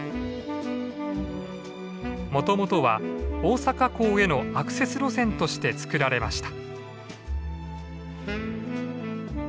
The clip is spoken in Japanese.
もともとは大阪港へのアクセス路線として作られました。